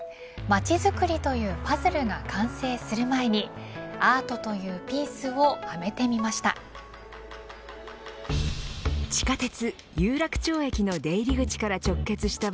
街づくりというパズルが完成する前にアートというピースをはめてみました。